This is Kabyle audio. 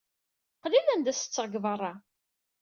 Qlil anda i setteɣ deg beṛṛa.